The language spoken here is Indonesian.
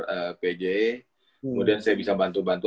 pj kemudian saya bisa bantu bantu